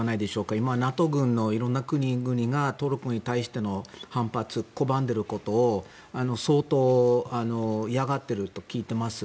今、ＮＡＴＯ軍のいろんな国々がトルコに対しての反発、拒んでいることを相当嫌がっていると聞いています。